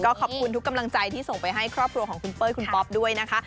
ขอบคุณทุกกำลังใจที่ส่งไปให้ครอบครัวของคุณเป้ยคุณป๊อปด้วยนะคะ